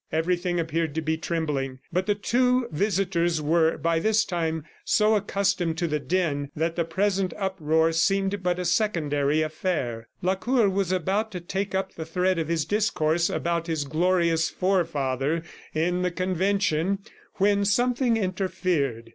Everything appeared to be trembling, but the two visitors were by this time so accustomed to the din that the present uproar seemed but a secondary affair. Lacour was about to take up the thread of his discourse about his glorious forefather in the convention when something interfered.